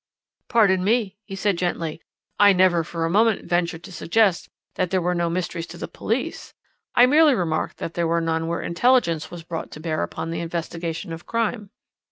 "Pardon me," he said gently, "I never for a moment ventured to suggest that there were no mysteries to the police; I merely remarked that there were none where intelligence was brought to bear upon the investigation of crime."